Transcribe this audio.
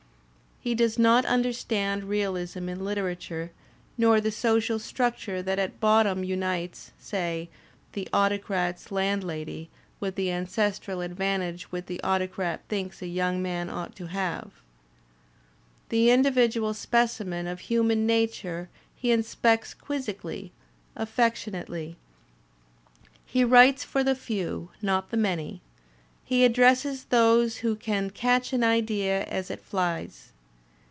He does not understand realism in literature nor the social structure that at bottom unites, say, the Autocrat's land lady with the ancestral advantage which the Autocrat thinks a young man ought to have. The individual specimen of human nature he inspects quizzically, affectionately. He writes for the few, not the many; he addresses those who can catch an idea as it flies.